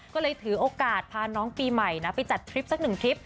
ก็เลยถือโอกาสพาน้องปีใหม่นะไปจัดทริปสักหนึ่งทริป